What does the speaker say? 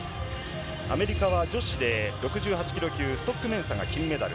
アメリカは女子で６８キロ級、ストックメンサが金メダル。